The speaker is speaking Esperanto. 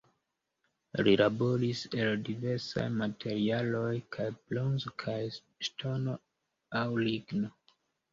Li laboris el diversaj materialoj, kaj bronzo kaj ŝtono aŭ ligno.